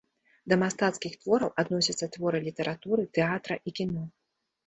Да мастацкіх твораў адносяцца творы літаратуры, тэатра і кіно.